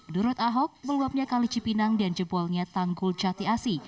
nurut ahok meluapnya kalici pinang dan jebolnya tanggul jati asi